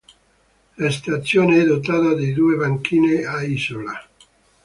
La stazione è dotata di due banchine a isola.